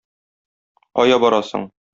Кая барасың?